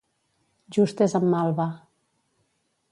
Just és en Malva.